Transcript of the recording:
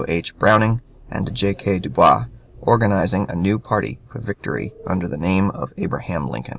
H. Browning, and J. K. Dubois, organizing a new party for victory under the name of Abraham Lincoln.